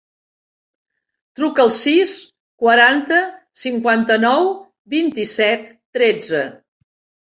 Truca al sis, quaranta, cinquanta-nou, vint-i-set, tretze.